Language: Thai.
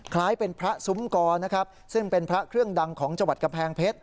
คล้ายเป็นพระซุ้มกรนะครับซึ่งเป็นพระเครื่องดังของจังหวัดกำแพงเพชร